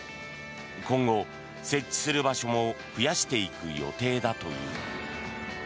今後、設置する場所も増やしていく予定だという。